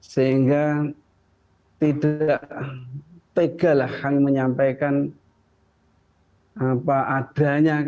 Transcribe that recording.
sehingga tidak tegalah kami menyampaikan apa adanya